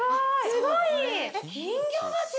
すごい！